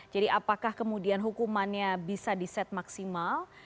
jadi apakah kemudian hukumannya bisa di set maksimal